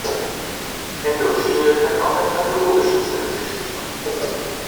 Endorphine können auch im pathologischen Sinne süchtig machen.